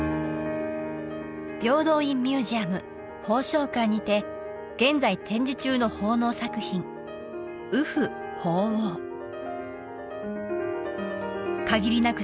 平等院ミュージアム鳳翔館にて現在展示中の奉納作品限りなく